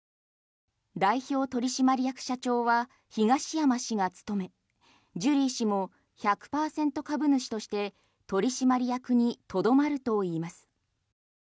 代表取締役社長は東山氏が務めジュリー氏も１００％株主として取締役にとどまるといいます。